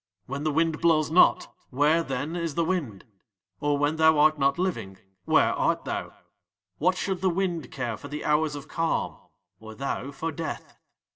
"When the wind blows not, where, then, is the wind? "Or when thou art not living, where art thou? "What should the wind care for the hours of calm or thou for death?